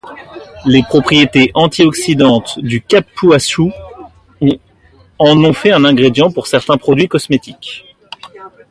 Les propriétés antioxydantes du cupuaçu en ont fait un ingrédient pour certains produits cosmétiques.